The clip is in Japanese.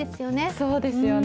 そうですよね。